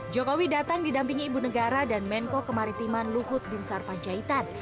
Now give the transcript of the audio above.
jokowi datang didampingi ibu negara dan menko kemaritiman luhut bin sarpanjaitan